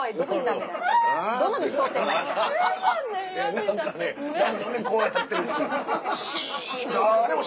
何か目こうやってるし